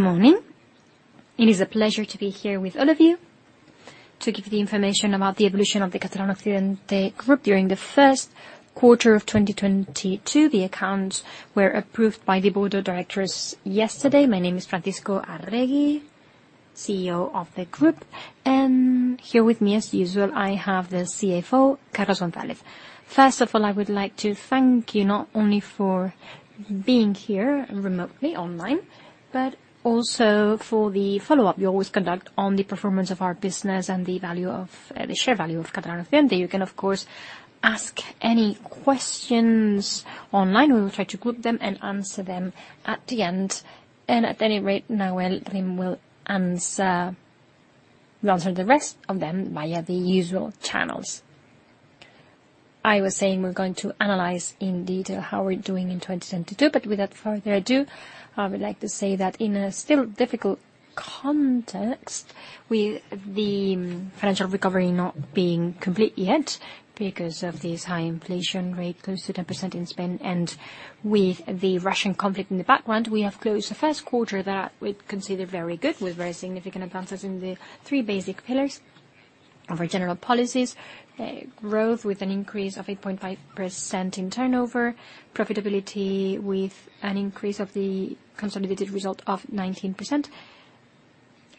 Morning. It is a pleasure to be here with all of you to give you the information about the evolution of the Catalana Occidente Group during the first quarter of 2022. The accounts were approved by the board of directors yesterday. My name is Francisco Arregui, CEO of the group. Here with me, as usual, I have the CFO, Carlos González. First of all, I would like to thank you not only for being here remotely online, but also for the follow-up you always conduct on the performance of our business and the share value of Catalana Occidente. You can, of course, ask any questions online. We will try to group them and answer them at the end. At any rate, now Nawal Rim will answer, we answer the rest of them via the usual channels. I was saying we're going to analyze in detail how we're doing in 2022, but without further ado, I would like to say that in a still difficult context, with the financial recovery not being complete yet because of this high inflation rate, close to 10% in Spain, and with the Russian conflict in the background, we have closed the first quarter that we'd consider very good, with very significant advances in the three basic pillars of our general policies. Growth with an increase of 8.5% in turnover, profitability with an increase of the consolidated result of 19%,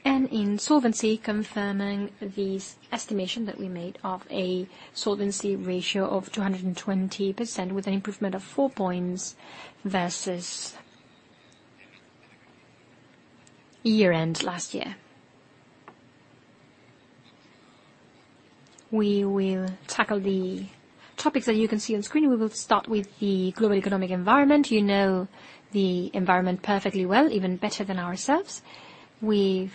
and in solvency, confirming this estimation that we made of a solvency ratio of 220%, with an improvement of four points versus year-end last year. We will tackle the topics that you can see on screen. We will start with the global economic environment. You know the environment perfectly well, even better than ourselves. We've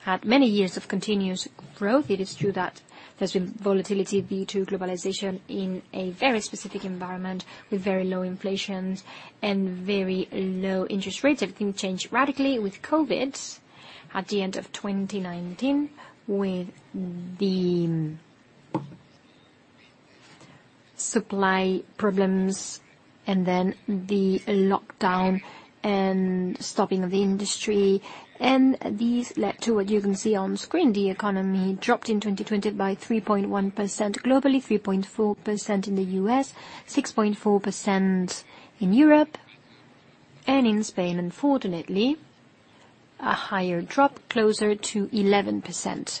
had many years of continuous growth. It is true that there's been volatility due to globalization in a very specific environment with very low inflations and very low interest rates. Everything changed radically with COVID at the end of 2019, with the supply problems and then the lockdown and stopping of the industry. These led to what you can see on screen. The economy dropped in 2020 by 3.1% globally, 3.4% in the U.S., 6.4% in Europe, and in Spain, unfortunately, a higher drop, closer to 11%.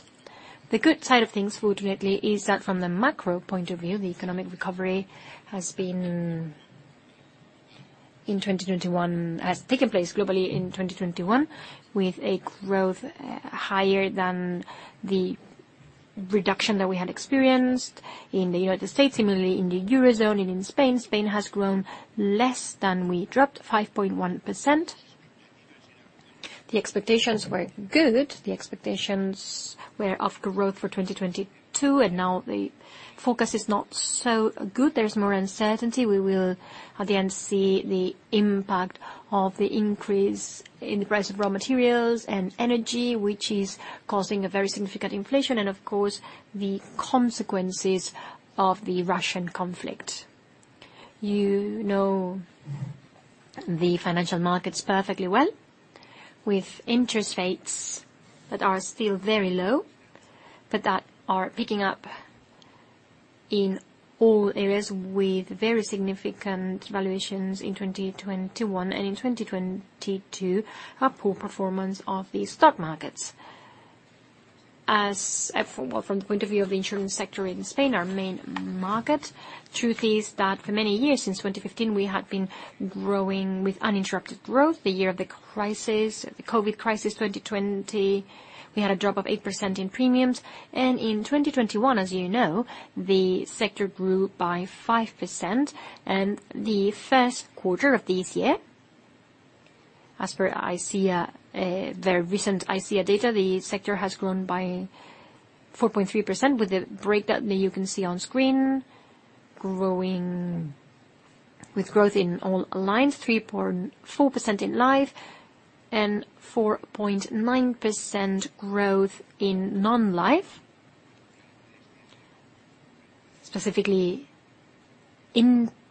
The good side of things, fortunately, is that from the macro point of view, the economic recovery has been in 2021, has taken place globally in 2021, with a growth higher than the reduction that we had experienced in the United States. Similarly in the Eurozone and in Spain. Spain has grown less than we dropped, 5.1%. The expectations were good. The expectations were of growth for 2022, and now the focus is not so good. There's more uncertainty. We will at the end see the impact of the increase in the price of raw materials and energy, which is causing a very significant inflation, and of course, the consequences of the Russian conflict. You know the financial markets perfectly well, with interest rates that are still very low, but that are picking up in all areas with very significant valuations in 2021, and in 2022, a poor performance of the stock markets. Well, from the point of view of the insurance sector in Spain, our main market, truth is that for many years, since 2015, we had been growing with uninterrupted growth. The year of the crisis, the COVID crisis, 2020, we had a drop of 8% in premiums. In 2021, as you know, the sector grew by 5%. In the first quarter of this year, as per ICEA, their recent ICEA data, the sector has grown by 4.3% with the breakdown that you can see on screen. With growth in all lines, 3.4% in life and 4.9% growth in non-life. Specifically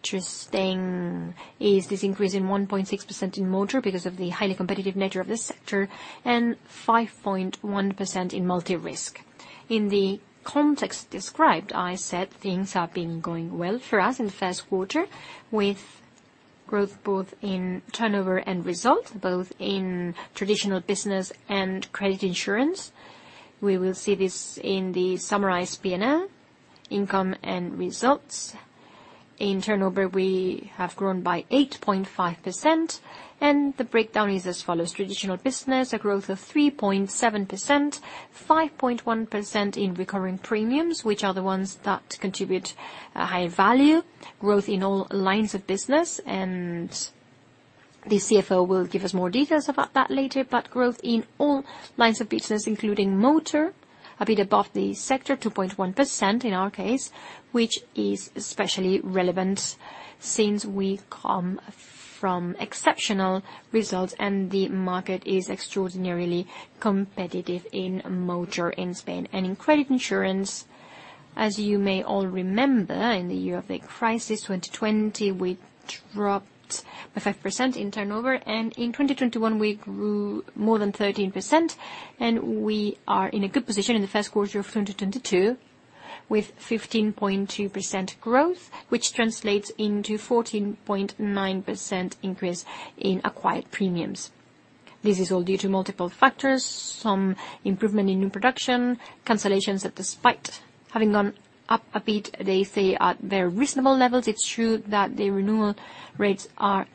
interesting is this increase in 1.6% in motor because of the highly competitive nature of this sector, and 5.1% in multi-risk. In the context described, I said things have been going well for us in the first quarter, with growth both in turnover and results, both in traditional business and credit insurance. We will see this in the summarized P&L income and results. In turnover, we have grown by 8.5%, and the breakdown is as follows. Traditional business, a growth of 3.7%, 5.1% in recurring premiums, which are the ones that contribute a high value, growth in all lines of business, and the CFO will give us more details about that later. Growth in all lines of business, including motor, a bit above the sector, 2.1% in our case, which is especially relevant since we come from exceptional results and the market is extraordinarily competitive in motor in Spain. In credit insurance. As you may all remember, in the year of the crisis, 2020, we dropped by 5% in turnover, and in 2021, we grew more than 13%. We are in a good position in the first quarter of 2022, with 15.2% growth, which translates into 14.9% increase in acquired premiums. This is all due to multiple factors, some improvement in new production, cancellations that despite having gone up a bit, they stay at very reasonable levels. It's true that the renewal rates are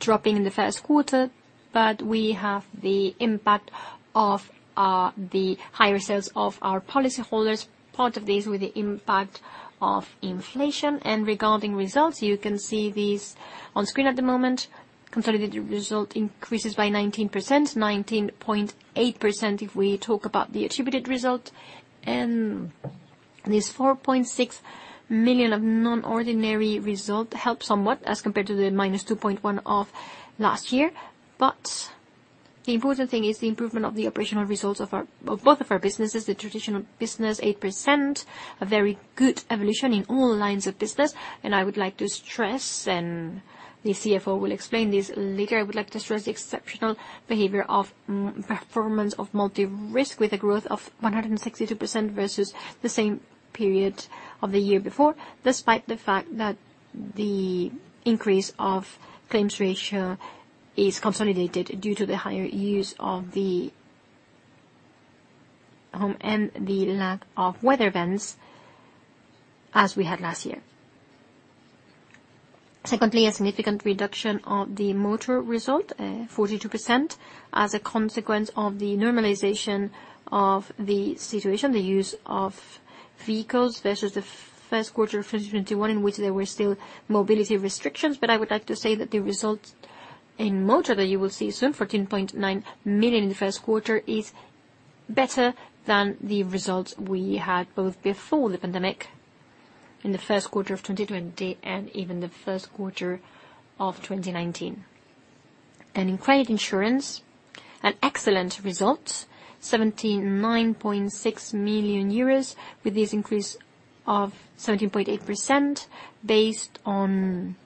dropping in the first quarter, but we have the impact of the higher sales of our policy holders, part of this with the impact of inflation. Regarding results, you can see these on screen at the moment. Consolidated result increases by 19%, 19.8% if we talk about the attributed result. This 4.6 million of non-ordinary result helps somewhat as compared to the -2.1 million of last year. The important thing is the improvement of the operational results of both of our businesses. The traditional business, 8%, a very good evolution in all lines of business. I would like to stress, and the CFO will explain this later, I would like to stress the exceptional performance of multi-risk with a growth of 162% versus the same period of the year before. Despite the fact that the increase of claims ratio is consolidated due to the higher use of the, and the lack of weather events as we had last year. Secondly, a significant reduction of the motor result, 42%, as a consequence of the normalization of the situation, the use of vehicles versus the first quarter of 2021, in which there were still mobility restrictions. I would like to say that the result in motor that you will see soon, 14.9 million in the first quarter, is better than the results we had both before the pandemic in the first quarter of 2020 and even the first quarter of 2019. In credit insurance, an excellent result, 79.6 million euros, with this increase of 17.8% based on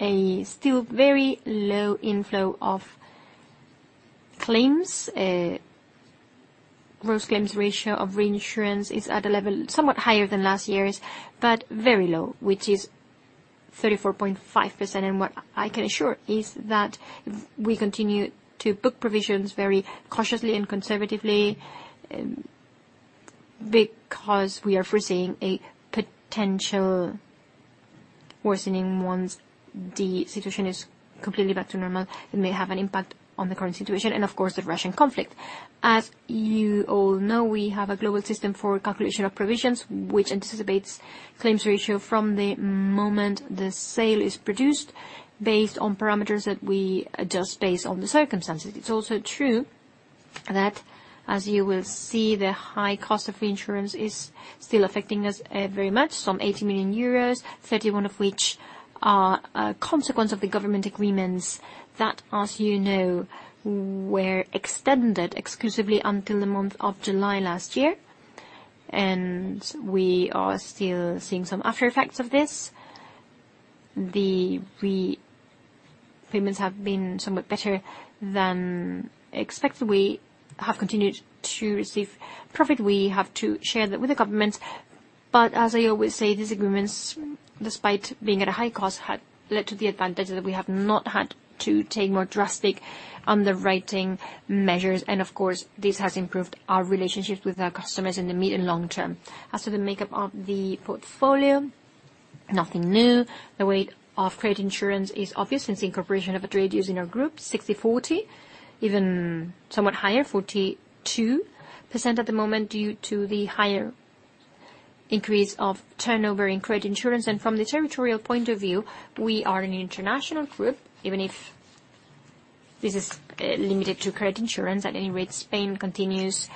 a still very low inflow of claims. Gross claims ratio of reinsurance is at a level somewhat higher than last year's, but very low, which is 34.5%. What I can assure is that we continue to book provisions very cautiously and conservatively, because we are foreseeing a potential worsening once the situation is completely back to normal. It may have an impact on the current situation and, of course, the Russian conflict. As you all know, we have a global system for calculation of provisions, which anticipates claims ratio from the moment the sale is produced based on parameters that we adjust based on the circumstances. It's also true that, as you will see, the high cost of insurance is still affecting us very much, some 80 million euros, 31 of which are a consequence of the government agreements that, as you know, were extended exclusively until the month of July last year. We are still seeing some after effects of this. The repayments have been somewhat better than expected. We have continued to receive profit. We have to share that with the government. As I always say, these agreements, despite being at a high cost, had led to the advantage that we have not had to take more drastic underwriting measures. Of course, this has improved our relationships with our customers in the mid and long term. As to the makeup of the portfolio, nothing new. The weight of credit insurance is obvious since the incorporation of Atradius in our group, 60/40, even somewhat higher, 42% at the moment due to the higher increase of turnover in credit insurance. From the territorial point of view, we are an international group, even if this is limited to credit insurance. At any rate, Spain continues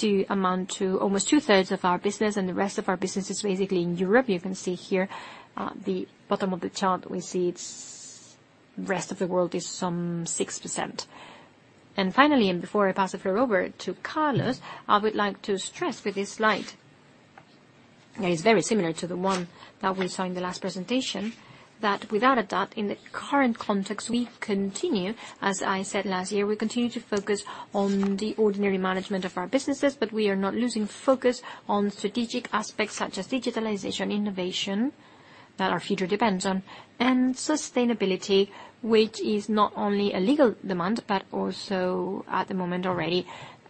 to amount to almost two-thirds of our business, and the rest of our business is basically in Europe. You can see here, the bottom of the chart, we see it's rest of the world is some 6%. Finally, before I pass the floor over to Carlos González, I would like to stress with this slide, and it's very similar to the one that we saw in the last presentation, that without a doubt, in the current context, we continue, as I said last year, to focus on the ordinary management of our businesses, but we are not losing focus on strategic aspects such as digitalization, innovation that our future depends on, and sustainability, which is not only a legal demand, but also at the moment already,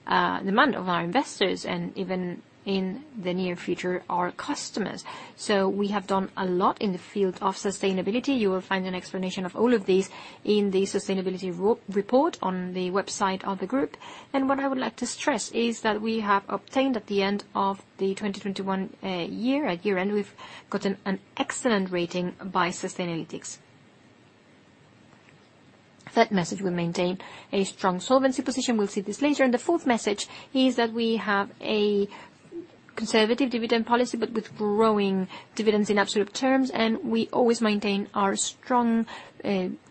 demand of our investors and even in the near future, our customers. We have done a lot in the field of sustainability. You will find an explanation of all of these in the sustainability report on the website of the group. What I would like to stress is that we have obtained, at the end of 2021, year, at year-end, we've gotten an excellent rating by Sustainalytics. Third message, we maintain a strong solvency position. We'll see this later. The fourth message is that we have a conservative dividend policy, but with growing dividends in absolute terms, and we always maintain our strong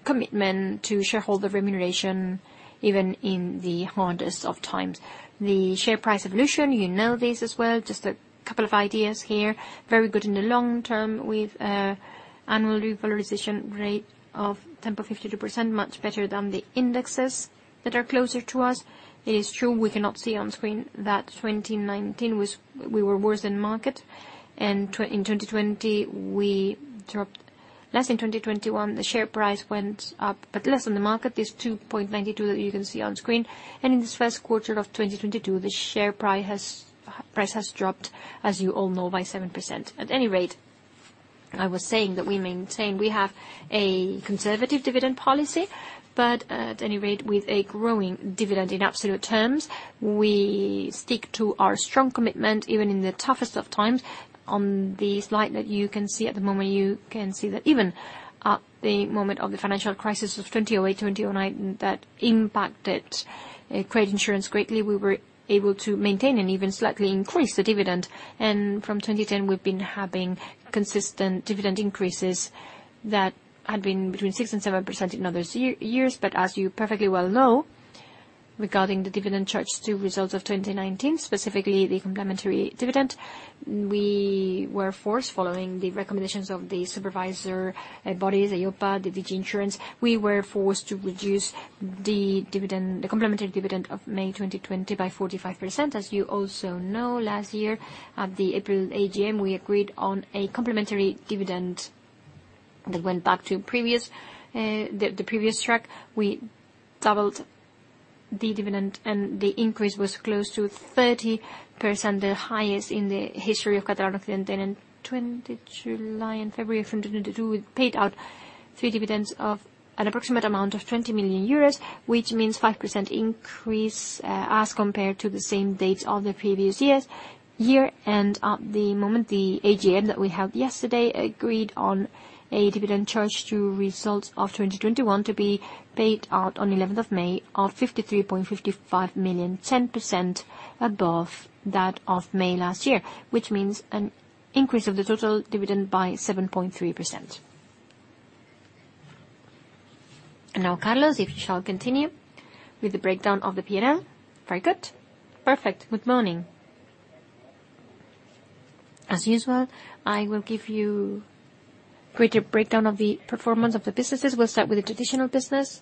commitment to shareholder remuneration, even in the hardest of times. The share price evolution, you know this as well, just a couple of ideas here. Very good in the long term with annual revalorization rate of 10.52%, much better than the indexes that are closer to us. It is true, we cannot see on screen that in 2019 we were worse than market. In 2020, we dropped less. In 2021, the share price went up, but less than the market. This 2.92 that you can see on screen. In this first quarter of 2022, the share price has dropped, as you all know, by 7%. At any rate, I was saying that we maintain, we have a conservative dividend policy, but at any rate, with a growing dividend in absolute terms. We stick to our strong commitment, even in the toughest of times. On the slide that you can see at the moment, you can see that even at the moment of the financial crisis of 2008, 2009, that impacted credit insurance greatly, we were able to maintain and even slightly increase the dividend. From 2010, we've been having consistent dividend increases that had been between 6% and 7% in other years. As you perfectly well know, regarding the dividend charged to results of 2019, specifically the complementary dividend, we were forced, following the recommendations of the supervisory bodies, EIOPA, the DGSFP, we were forced to reduce the dividend, the complementary dividend of May 2020 by 45%. As you also know, last year, at the April AGM, we agreed on a complementary dividend that went back to the previous track. We doubled the dividend, and the increase was close to 30%, the highest in the history of Catalana Occidente. In July and February of 2022, we paid out three dividends of an approximate amount of 20 million euros, which means 5% increase, as compared to the same dates of the previous year. At the moment, the AGM that we had yesterday agreed on a dividend charge to results of 2021 to be paid out on 11th of May of 53.55 million, 10% above that of May last year, which means an increase of the total dividend by 7.3%. Now, Carlos González, if you shall continue with the breakdown of the P&L. Very good. Perfect. Good morning. As usual, I will give you greater breakdown of the performance of the businesses. We'll start with the traditional business,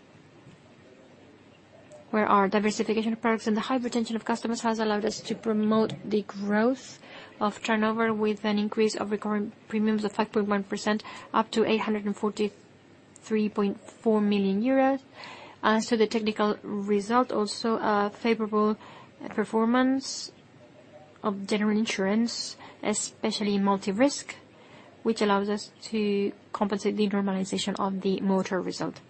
where our diversification products and the high retention of customers has allowed us to promote the growth of turnover with an increase of recurring premiums of 5.1%, up to 843.4 million euros. The technical result also a favorable performance of general insurance, especially in multi-risk, which allows us to compensate the normalization of the motor result.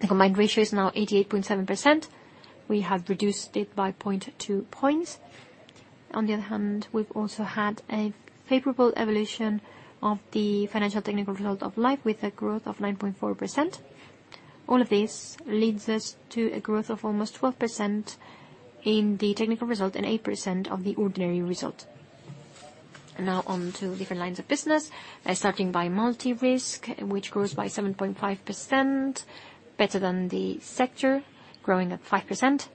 The combined ratio is now 88.7%. We have reduced it by 0.2 points. On the other hand, we've also had a favorable evolution of the financial technical result of Life with a growth of 9.4%. All of this leads us to a growth of almost 12% in the technical result and 8% of the ordinary result. Now on to different lines of business, starting by multi-risk, which grows by 7.5%, better than the sector, growing at 5%.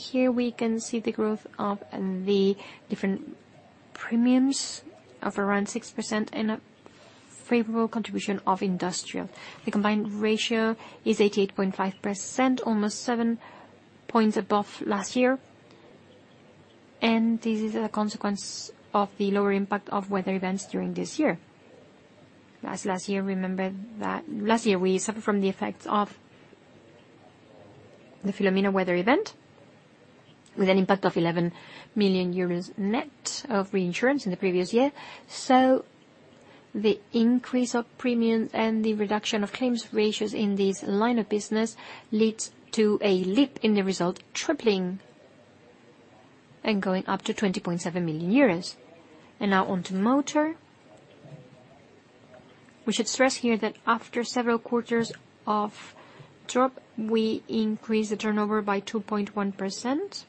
Here we can see the growth of the different premiums of around 6% and a favorable contribution of industrial. The combined ratio is 88.5%, almost seven points above last year. This is a consequence of the lower impact of weather events during this year. As last year, remember that last year we suffered from the effects of the Filomena weather event with an impact of 11 million euros net of reinsurance in the previous year. The increase of premiums and the reduction of claims ratios in this line of business leads to a leap in the result, tripling and going up to 20.7 million euros. Now on to motor. We should stress here that after several quarters of drop, we increased the turnover by 2.1%.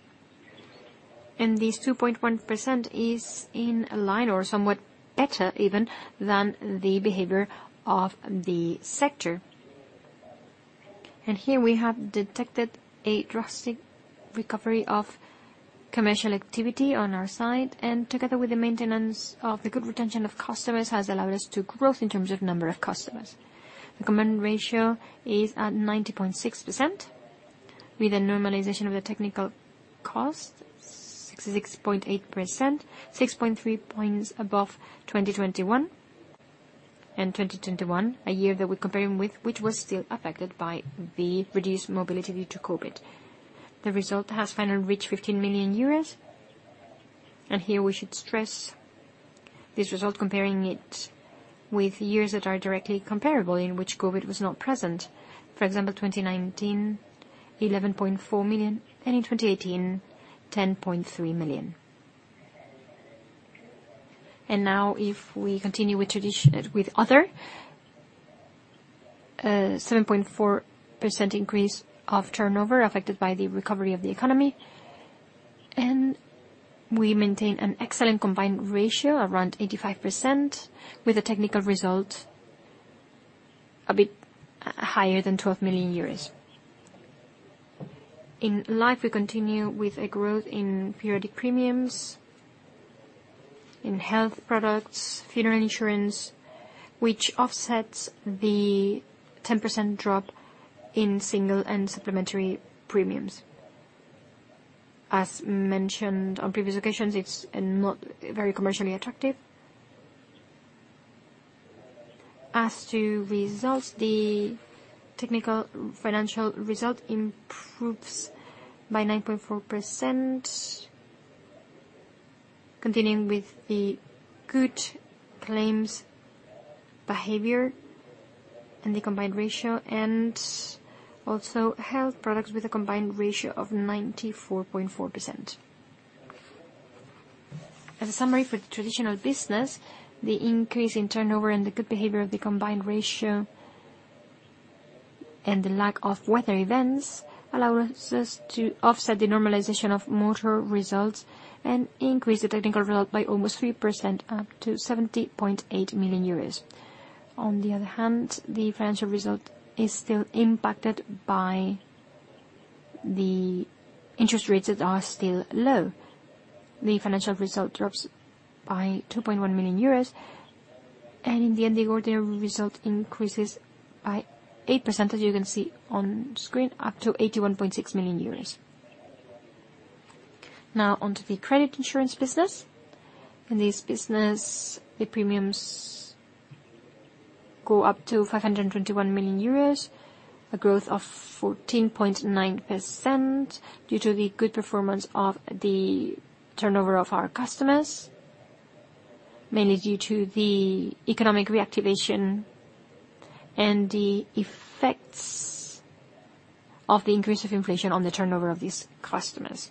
This 2.1% is in line or somewhat better even than the behavior of the sector. Here we have detected a drastic recovery of commercial activity on our side, and together with the maintenance of the good retention of customers, has allowed us to growth in terms of number of customers. The combined ratio is at 90.6% with a normalization of the technical cost, 66.8%, 6.3 points above 2021. 2021, a year that we're comparing with, which was still affected by the reduced mobility due to COVID. The result has finally reached 15 million euros. Here we should stress this result, comparing it with years that are directly comparable, in which COVID was not present. For example, 2019, 11.4 million, and in 2018, 10.3 million. Now if we continue with tradition, with other seven point four percent increase of turnover affected by the recovery of the economy. We maintain an excellent combined ratio, around eighty-five percent, with a technical result a bit higher than twelve million euros. In life, we continue with a growth in periodic premiums, in health products, funeral insurance, which offsets the ten percent drop in single and supplementary premiums. As mentioned on previous occasions, it's not very commercially attractive. As to results, the technical financial result improves by nine point four percent, continuing with the good claims behavior and the combined ratio and also health products with a combined ratio of ninety-four point four percent. As a summary for the traditional business, the increase in turnover and the good behavior of the combined ratio and the lack of weather events allows us to offset the normalization of motor results and increase the technical result by almost 3% up to 70.8 million euros. On the other hand, the financial result is still impacted by the interest rates that are still low. The financial result drops by 2.1 million euros and the ordinary result increases by 8%, as you can see on screen, up to 81.6 million euros. Now on to the credit insurance business. In this business, the premiums go up to 521 million euros, a growth of 14.9% due to the good performance of the turnover of our customers, mainly due to the economic reactivation and the effects of the increase of inflation on the turnover of these customers.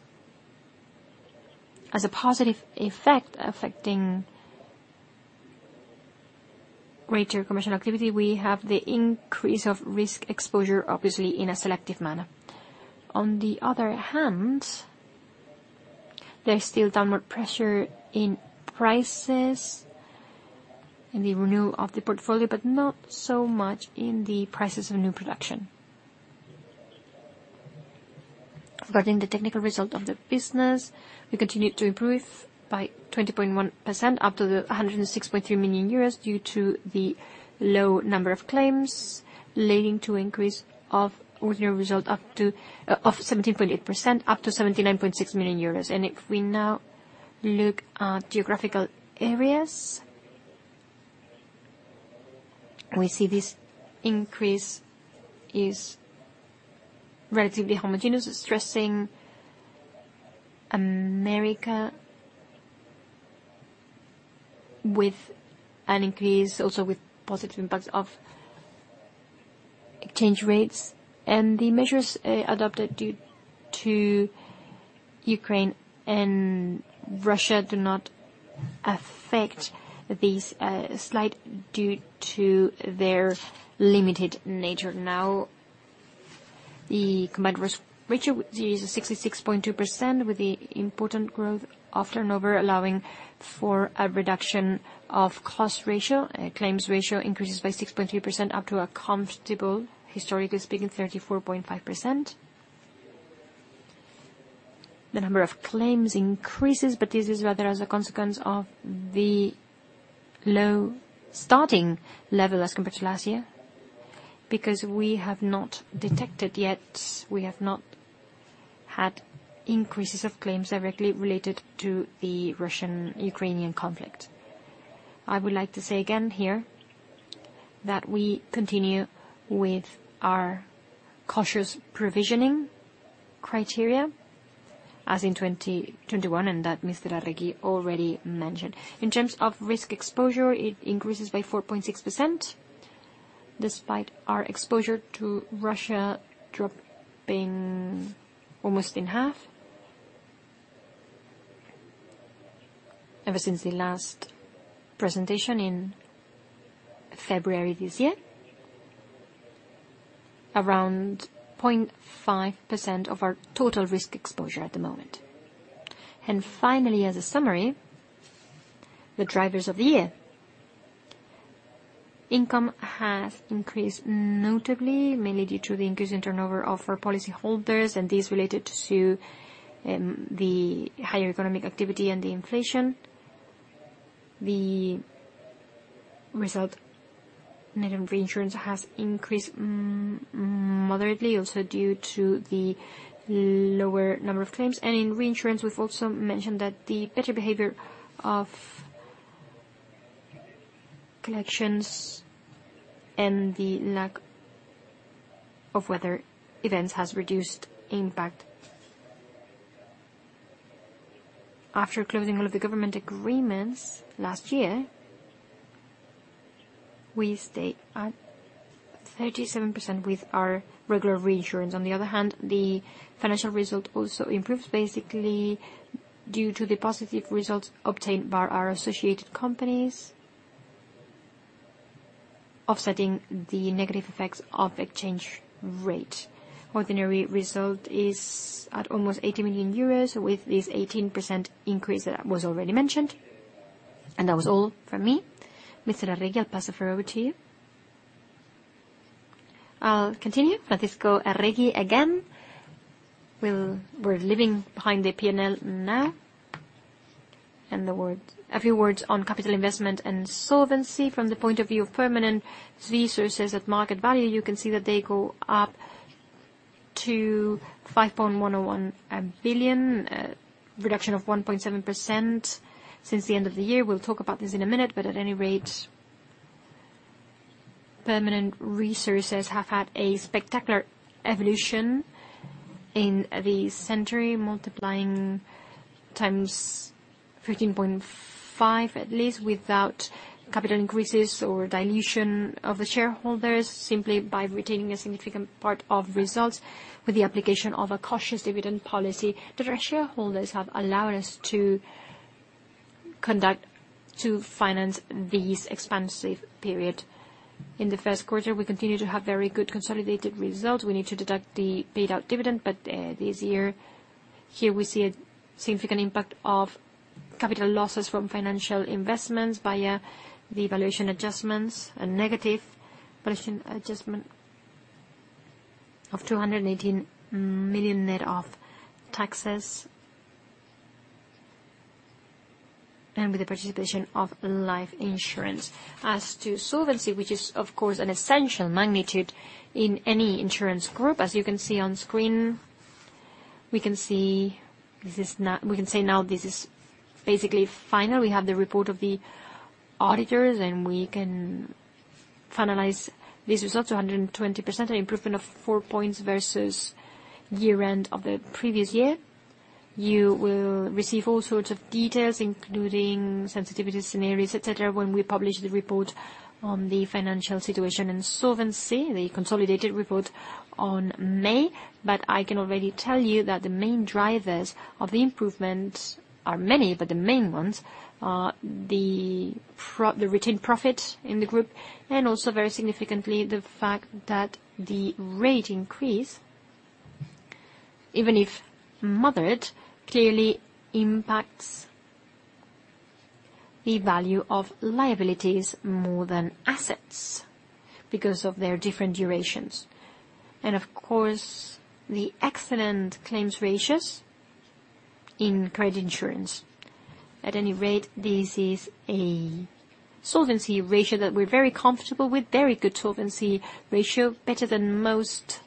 As a positive effect affecting greater commercial activity, we have the increase of risk exposure, obviously in a selective manner. On the other hand, there's still downward pressure in prices in the renewal of the portfolio, but not so much in the prices of new production. Regarding the technical result of the business, we continue to improve by 20.1% up to 106.3 million euros due to the low number of claims, leading to increase of ordinary result up to Of 17.8% up to 79.6 million euros. If we now look at geographical areas, we see this increase is relatively homogeneous, especially America with an increase also with positive impacts of exchange rates. The measures adopted due to Ukraine and Russia do not affect these slightly due to their limited nature. Now, the combined ratio is 66.2% with the important growth of turnover, allowing for a reduction of cost ratio. Claims ratio increases by 6.2% up to a comfortable historically speaking, 34.5%. The number of claims increases, but this is rather as a consequence of the low starting level as compared to last year, because we have not detected yet. We have not had increases of claims directly related to the Russian-Ukrainian conflict. I would like to say again here that we continue with our cautious provisioning criteria as in 2021 and that Mr. Arregui already mentioned. In terms of risk exposure, it increases by 4.6%, despite our exposure to Russia dropping almost in half. Ever since the last presentation in February this year, around 0.5% of our total risk exposure at the moment. Finally, as a summary, the drivers of the year. Income has increased notably, mainly due to the increase in turnover of our policy holders and these related to the higher economic activity and the inflation. The net result in reinsurance has increased moderately also due to the lower number of claims. In reinsurance, we've also mentioned that the better behavior of collections and the lack of weather events has reduced impact. After closing all of the government agreements last year, we stay at 37% with our regular reinsurance. On the other hand, the financial result also improves basically due to the positive results obtained by our associated companies, offsetting the negative effects of exchange rate. Ordinary result is at almost 80 million euros with this 18% increase that was already mentioned. That was all from me. Mr. Arregui, I'll pass over to you. I'll continue. Francisco Arregui again. We're leaving behind the P&L now, and a few words on capital investment and solvency. From the point of view of permanent resources at market value, you can see that they go up to 5.101 billion, a reduction of 1.7% since the end of the year. We'll talk about this in a minute, but at any rate, permanent resources have had a spectacular evolution in the century, multiplying x15.5, at least, without capital increases or dilution of the shareholders, simply by retaining a significant part of results with the application of a cautious dividend policy that our shareholders have allowed us to conduct to finance this expansive period. In the first quarter, we continue to have very good consolidated results. We need to deduct the paid-out dividend, but this year, here we see a significant impact of capital losses from financial investments via the revaluation adjustments and negative adjustment of 218 million net of taxes, and with the participation of life insurance. As to solvency, which is, of course, an essential magnitude in any insurance group, as you can see on screen, we can see this is now. We can say now this is basically final. We have the report of the auditors, and we can finalize this result to 120%, an improvement of four points versus year-end of the previous year. You will receive all sorts of details, including sensitivity scenarios, et cetera, et cetera, when we publish the report on the financial situation and solvency, the consolidated report on May. I can already tell you that the main drivers of the improvements are many, but the main ones are the retained profit in the group and also, very significantly, the fact that the rate increase, even if moderate, clearly impacts the value of liabilities more than assets because of their different durations. Of course, the excellent claims ratios in credit insurance. At any rate, this is a solvency ratio that we're very comfortable with, very good solvency ratio, better than most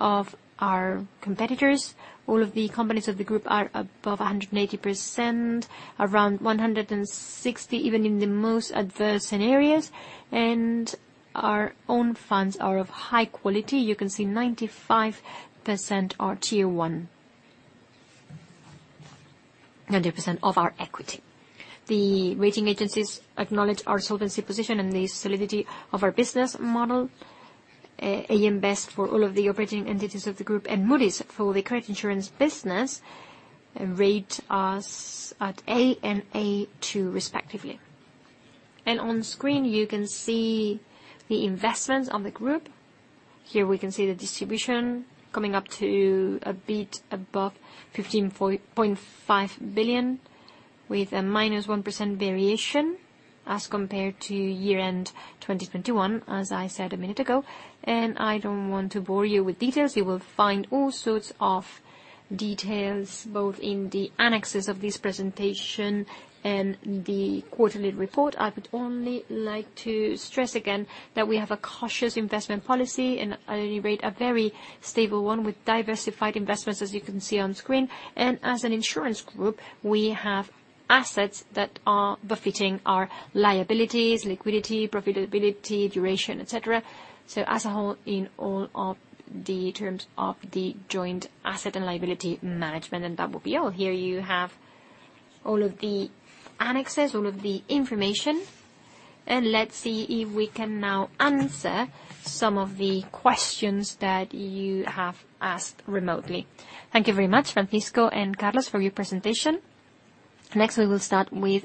of our competitors. All of the companies of the group are above 180%, around 160, even in the most adverse scenarios. Our own funds are of high quality. You can see 95% are Tier 1, 90% of our equity. The rating agencies acknowledge our solvency position and the solidity of our business model. AM Best for all of the operating entities of the group and Moody's for the credit insurance business rate us at A and A2 respectively. On screen, you can see the investments of the group. Here we can see the distribution coming up to a bit above 15.5 billion with a -1% variation as compared to year-end 2021, as I said a minute ago. I don't want to bore you with details. You will find all sorts of details, both in the annexes of this presentation and the quarterly report. I would only like to stress again that we have a cautious investment policy and, at any rate, a very stable one with diversified investments, as you can see on screen. As an insurance group, we have assets that are befitting our liabilities, liquidity, profitability, duration, et cetera. As a whole, in all of the terms of the joint asset and liability management, and that will be all. Here you have all of the annexes, all of the information, and let's see if we can now answer some of the questions that you have asked remotely. Thank you very much, Francisco and Carlos, for your presentation. Next, we will start with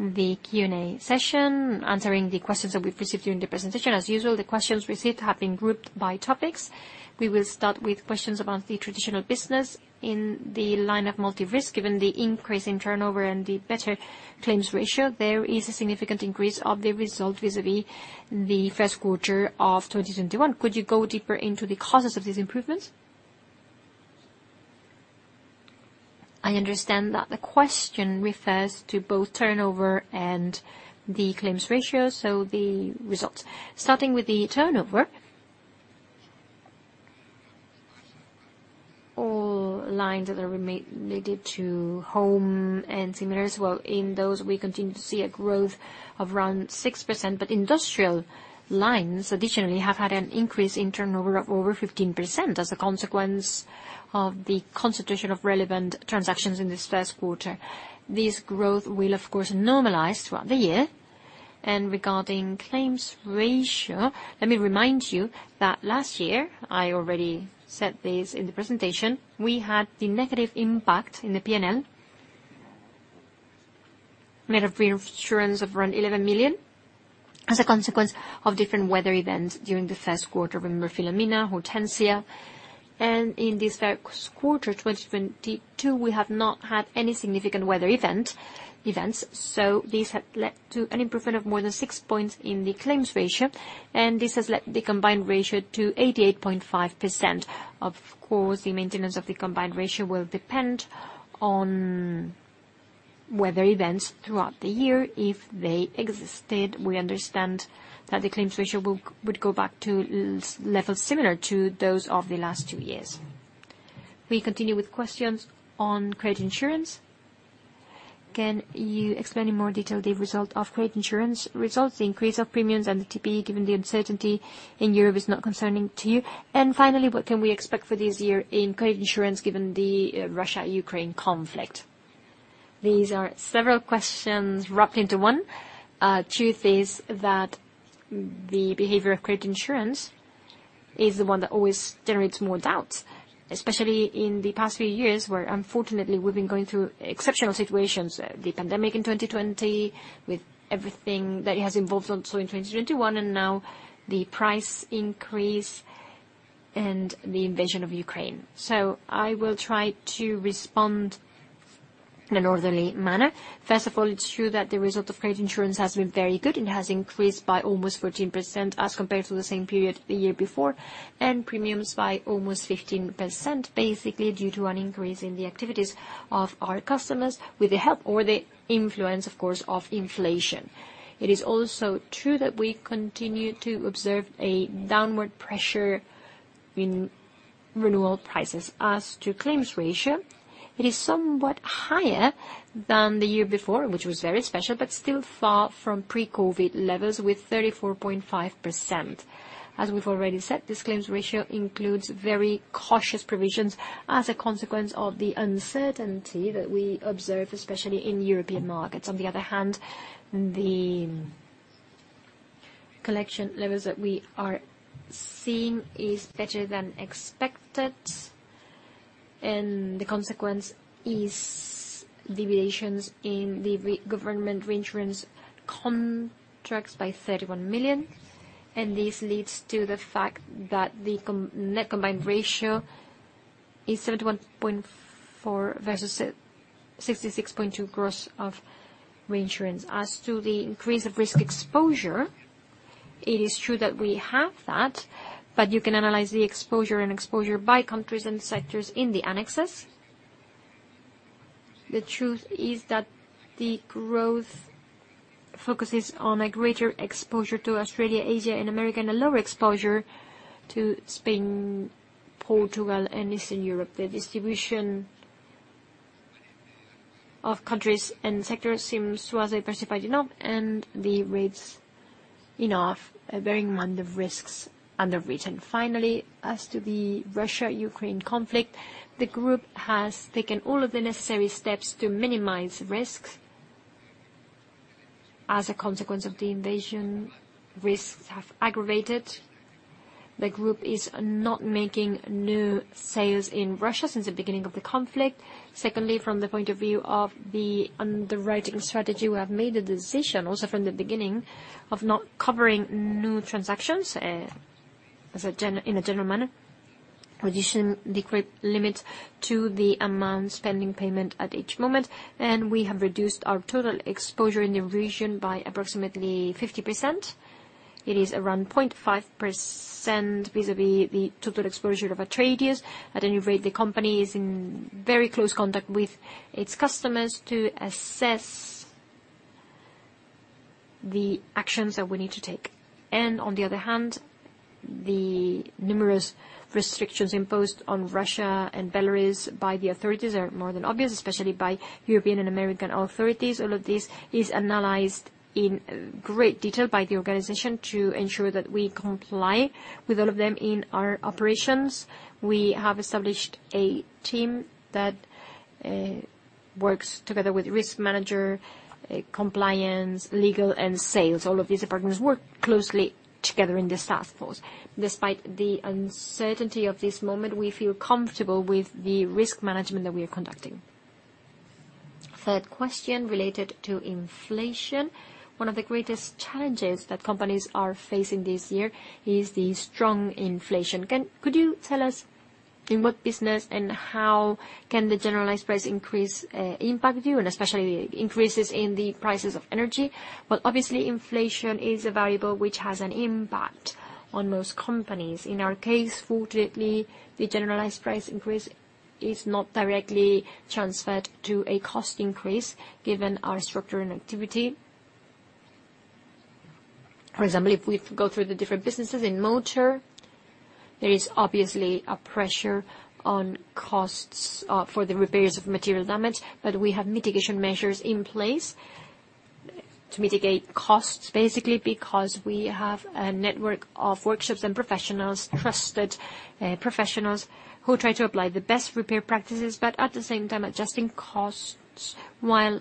the Q&A session, answering the questions that we've received during the presentation. As usual, the questions received have been grouped by topics. We will start with questions about the traditional business in the line of multi-risk. Given the increase in turnover and the better claims ratio, there is a significant increase of the result vis-à-vis the first quarter of 2021. Could you go deeper into the causes of these improvements? I understand that the question refers to both turnover and the claims ratio, so the results. Starting with the turnover, all lines that are related to home and similar as well, in those, we continue to see a growth of around 6%. Industrial lines, additionally, have had an increase in turnover of over 15% as a consequence of the concentration of relevant transactions in this first quarter. This growth will, of course, normalize throughout the year. Regarding claims ratio, let me remind you that last year, I already said this in the presentation, we had the negative impact in the P&L, net of reinsurance of around 11 million, as a consequence of different weather events during the first quarter. Remember Filomena, Hortensia. In this first quarter, 2022, we have not had any significant weather event, so this has led to an improvement of more than 6 points in the claims ratio. This has led the combined ratio to 88.5%. Of course, the maintenance of the combined ratio will depend on weather events throughout the year. If they existed, we understand that the claims ratio would go back to levels similar to those of the last two years. We continue with questions on credit insurance. Can you explain in more detail the result of credit insurance results, the increase of premiums and the TP, given the uncertainty in Europe is not concerning to you? And finally, what can we expect for this year in credit insurance, given the Russia-Ukraine conflict? These are several questions wrapped into one. Truth is that the behavior of credit insurance is the one that always generates more doubts, especially in the past few years, where unfortunately, we've been going through exceptional situations, the pandemic in 2020, with everything that has involved also in 2021 and now the price increase and the invasion of Ukraine. I will try to respond in an orderly manner. First of all, it's true that the result of credit insurance has been very good. It has increased by almost 14% as compared to the same period the year before, and premiums by almost 15%, basically due to an increase in the activities of our customers with the help or the influence, of course, of inflation. It is also true that we continue to observe a downward pressure in renewal prices. As to claims ratio, it is somewhat higher than the year before, which was very special, but still far from pre-COVID levels with 34.5%. As we've already said, this claims ratio includes very cautious provisions as a consequence of the uncertainty that we observe, especially in European markets. On the other hand, the collection levels that we are seeing is better than expected, and the consequence is deviations in the government reinsurance contracts by 31 million. This leads to the fact that the net combined ratio is 31.4% versus 66.2% gross of reinsurance. As to the increase of risk exposure, it is true that we have that, but you can analyze the exposure by countries and sectors in the annexes. The truth is that the growth focuses on a greater exposure to Australia, Asia, and America, and a lower exposure to Spain, Portugal, and Eastern Europe. The distribution of countries and sectors seems to us diversified enough and the rates enough, bearing in mind the risks underwritten. Finally, as to the Russia-Ukraine conflict, the group has taken all of the necessary steps to minimize risks. As a consequence of the invasion, risks have aggravated. The group is not making new sales in Russia since the beginning of the conflict. Secondly, from the point of view of the underwriting strategy, we have made a decision, also from the beginning, of not covering new transactions, in a general manner. Reducing the credit limit to the amount pending payment at each moment. We have reduced our total exposure in the region by approximately 50%. It is around 0.5% vis-à-vis the total exposure of our trade peers. At any rate, the company is in very close contact with its customers to assess the actions that we need to take. On the other hand, the numerous restrictions imposed on Russia and Belarus by the authorities are more than obvious, especially by European and American authorities. All of this is analyzed in great detail by the organization to ensure that we comply with all of them in our operations. We have established a team that works together with risk management, compliance, legal, and sales. All of these departments work closely together in this task force. Despite the uncertainty of this moment, we feel comfortable with the risk management that we are conducting. Third question related to inflation. One of the greatest challenges that companies are facing this year is the strong inflation. Could you tell us in what business and how can the generalized price increase impact you, and especially increases in the prices of energy? Well, obviously, inflation is a variable which has an impact on most companies. In our case, fortunately, the generalized price increase is not directly transferred to a cost increase given our structure and activity. For example, if we go through the different businesses in motor, there is obviously a pressure on costs for the repairs of material damage, but we have mitigation measures in place to mitigate costs, basically because we have a network of workshops and professionals, trusted professionals, who try to apply the best repair practices, but at the same time adjusting costs while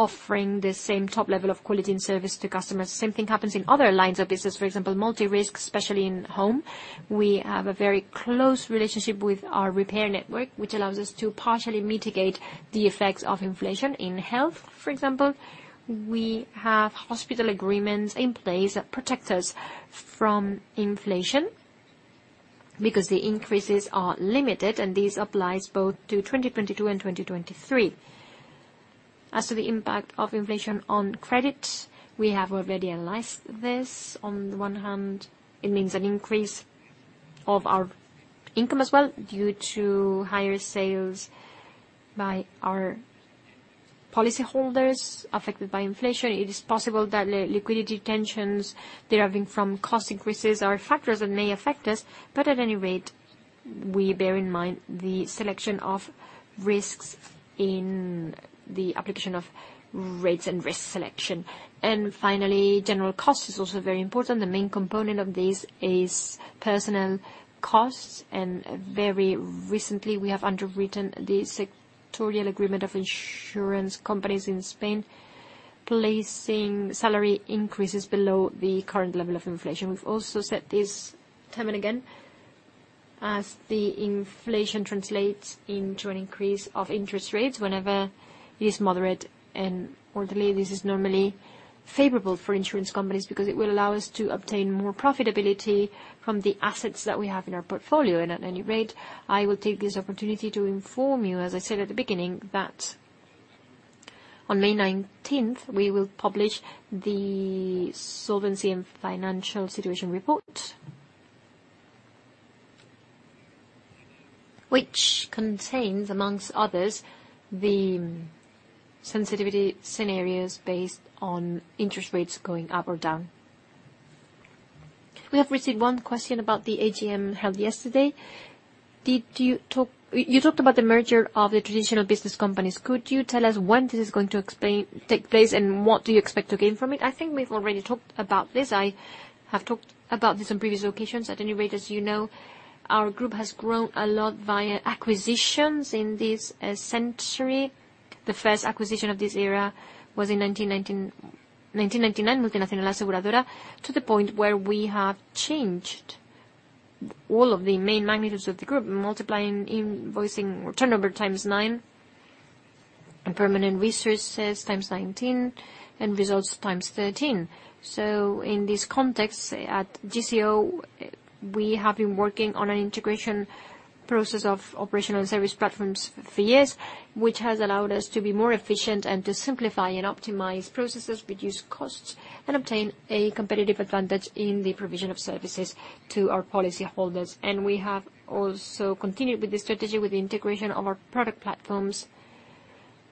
offering the same top level of quality and service to customers. Same thing happens in other lines of business, for example, multi-risk, especially in home. We have a very close relationship with our repair network, which allows us to partially mitigate the effects of inflation. In health, for example, we have hospital agreements in place that protect us from inflation. Because the increases are limited, and this applies both to 2022 and 2023. As to the impact of inflation on credit, we have already analyzed this. On the one hand, it means an increase of our income as well due to higher sales by our policy holders affected by inflation. It is possible that liquidity tensions deriving from cost increases are factors that may affect us, but at any rate, we bear in mind the selection of risks in the application of rates and risk selection. Finally, general cost is also very important. The main component of this is personal costs. Very recently, we have underwritten the sectoral agreement of insurance companies in Spain, placing salary increases below the current level of inflation. We've also said this time and again, as the inflation translates into an increase of interest rates, whenever it is moderate and orderly, this is normally favorable for insurance companies because it will allow us to obtain more profitability from the assets that we have in our portfolio. At any rate, I will take this opportunity to inform you, as I said at the beginning, that on May nineteenth, we will publish the solvency and financial situation report, which contains, among others, the sensitivity scenarios based on interest rates going up or down. We have received one question about the AGM held yesterday. You talked about the merger of the traditional business companies. Could you tell us when this is going to take place, and what do you expect to gain from it? I think we've already talked about this. I have talked about this on previous occasions. At any rate, as you know, our group has grown a lot via acquisitions in this century. The first acquisition of this era was in 1999, Multinacional Aseguradora, to the point where we have changed all of the main magnitudes of the group, multiplying invoicing turnover x9, and permanent resources x19, and results x13. In this context, at GCO, we have been working on an integration process of operational service platforms for years, which has allowed us to be more efficient and to simplify and optimize processes, reduce costs, and obtain a competitive advantage in the provision of services to our policy holders. We have also continued with this strategy with the integration of our product platforms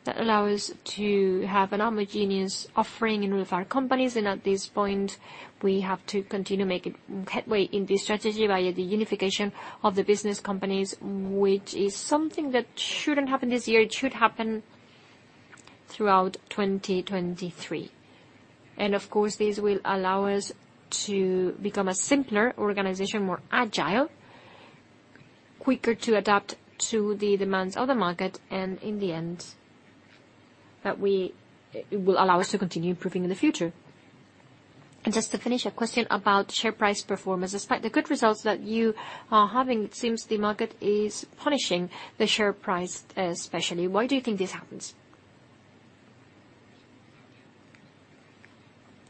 that allow us to have a homogeneous offering in all of our companies. At this point, we have to continue making headway in this strategy via the unification of the business companies, which is something that shouldn't happen this year. It should happen throughout 2023. Of course, this will allow us to become a simpler organization, more agile, quicker to adapt to the demands of the market, and in the end, it will allow us to continue improving in the future. Just to finish, a question about share price performance. Despite the good results that you are having, it seems the market is punishing the share price, especially. Why do you think this happens?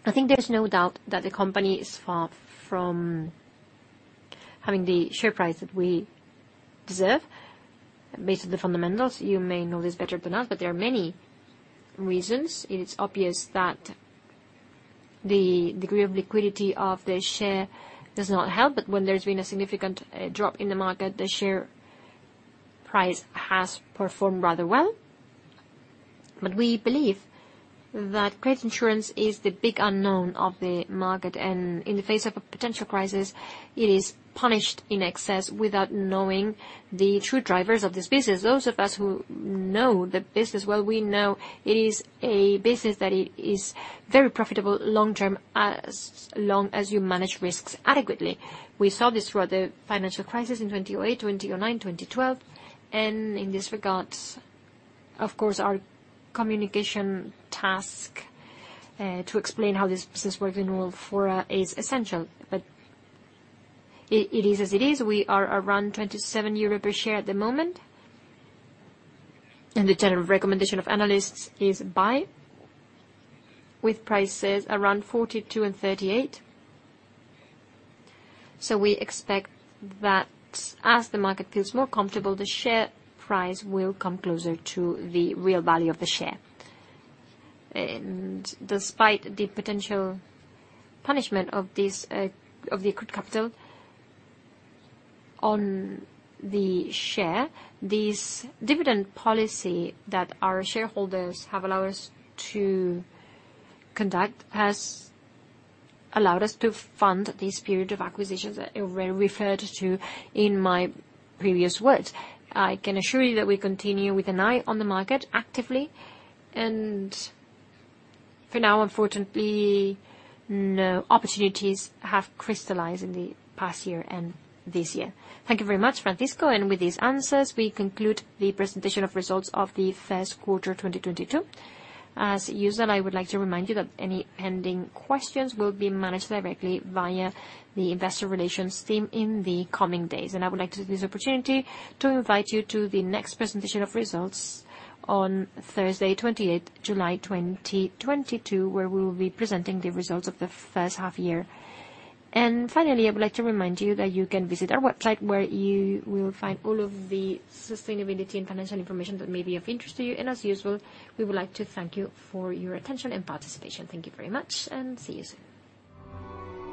I think there's no doubt that the company is far from having the share price that we deserve based on the fundamentals. You may know this better than us, but there are many reasons. It is obvious that the degree of liquidity of the share does not help. When there's been a significant drop in the market, the share price has performed rather well. We believe that credit insurance is the big unknown of the market, and in the face of a potential crisis, it is punished in excess without knowing the true drivers of this business. Those of us who know the business well, we know it is a business that is very profitable long term, as long as you manage risks adequately. We saw this throughout the financial crisis in 2008, 2009, 2012. In this regard, of course, our communication task to explain how this business works in all fora is essential. It is as it is. We are around 27 euro per share at the moment, and the general recommendation of analysts is buy, with prices around 42 EUR and 38 EUR. We expect that as the market feels more comfortable, the share price will come closer to the real value of the share. Despite the potential punishment of this of the accrued capital on the share, this dividend policy that our shareholders have allowed us to conduct has allowed us to fund this period of acquisitions that are referred to in my previous words. I can assure you that we continue with an eye on the market actively. For now, unfortunately, no opportunities have crystallized in the past year and this year. Thank you very much, Francisco. With these answers, we conclude the presentation of results of the first quarter, 2022. As usual, I would like to remind you that any pending questions will be managed directly via the investor relations team in the coming days. I would like to take this opportunity to invite you to the next presentation of results on Thursday, 28th July, 2022, where we will be presenting the results of the first half year. Finally, I would like to remind you that you can visit our website, where you will find all of the sustainability and financial information that may be of interest to you. As usual, we would like to thank you for your attention and participation. Thank you very much, and see you soon.